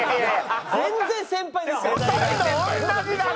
全然先輩ですから。